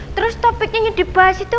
terus topiknya yang dibahas itu